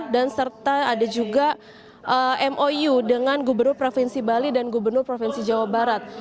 dan serta ada juga mou dengan gubernur provinsi bali dan gubernur provinsi jawa barat